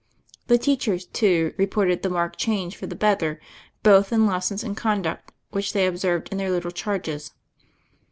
The teachers, too, reported the marked change for the better, both in lessons and conduct, which they observed in their little charges.